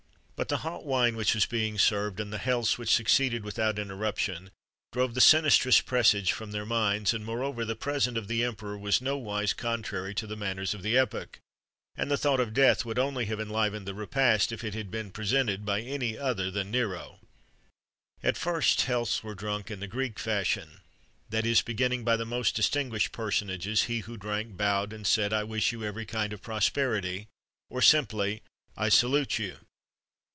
[XXXV 77] But the hot wine which was being served,[XXXV 78] and the healths which succeeded without interruption, drove the sinistrous presage from their minds; and, moreover, the present of the emperor was nowise contrary to the manners of the epoch, and the thought of death would only have enlivened the repast, if it had been presented by any other than Nero. At first healths were drunk in the Greek fashion, that is, beginning by the most distinguished personages, he who drank bowed and said: "I wish you every kind of prosperity;" or simply: "I salute you."